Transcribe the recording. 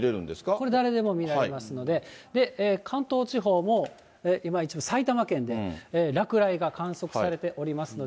これ、誰でも見られますので、関東地方も、今、一部、埼玉県で落雷が観測されておりますので。